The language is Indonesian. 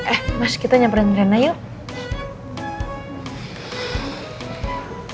eh mas kita nyamperin riana yuk